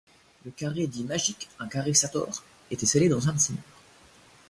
Le carré dit magique, un carré Sator, était scellé dans un de ses murs.